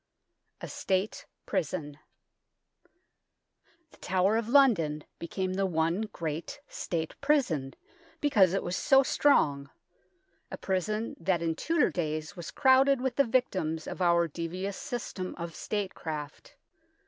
A STATE PRISON The Tower of London became the one great State prison because it was so strong, a prison that in Tudor days was crowded with the victims of our devious system of statecraft.